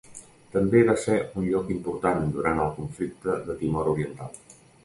També va ser un lloc important durant el conflicte de Timor Oriental.